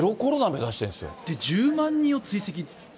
１０万人を追跡。